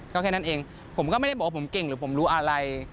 ก็แค่นั้นเองผมก็ไม่ได้บอกว่าผมเก่งหรือผมรู้อะไร